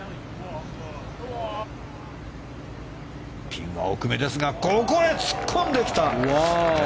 ピンは奥めですがここへ突っ込んできた！